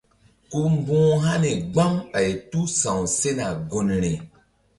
Ku mbu̧h hani gbam ɓay tu sa̧w sena gunri.